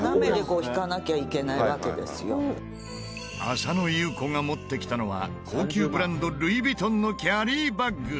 浅野ゆう子が持ってきたのは高級ブランドルイ・ヴィトンのキャリーバッグ。